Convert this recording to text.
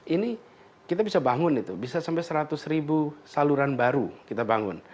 ini kita bisa bangun itu bisa sampai seratus ribu saluran baru kita bangun